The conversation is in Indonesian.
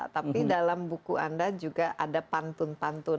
tapi dalam buku anda juga ada pantun pantun